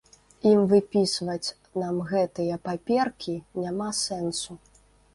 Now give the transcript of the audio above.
Ім выпісваць нам гэтыя паперкі няма сэнсу.